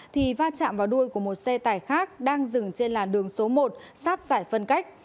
thì va chạm vào đuôi của một xe tải khác đang dừng trên làn đường số một sát giải phân cách